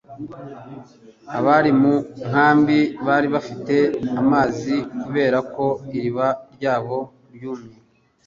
Abari mu nkambi bari bafite amazi kubera ko iriba ryabo ryumye.